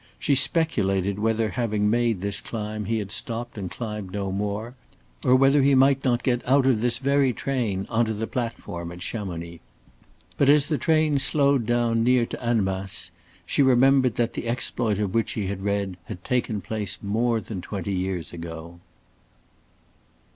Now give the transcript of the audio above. She speculated whether having made this climb he had stopped and climbed no more; or whether he might not get out of this very train on to the platform at Chamonix. But as the train slowed down near to Annemasse, she remembered that the exploit of which she had read had taken place more than twenty years ago.